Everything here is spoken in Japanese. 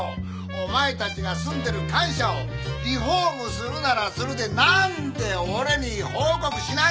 お前たちが住んでる官舎をリフォームするならするでなんで俺に報告しないんだ！